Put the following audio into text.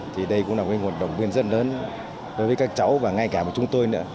thì đây cũng là một nguồn động viên rất lớn đối với các cháu và ngay cả với chúng tôi nữa